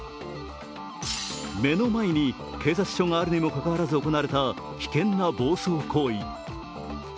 目の前に警察署があるにもかかわらず行われた危険な暴走行為。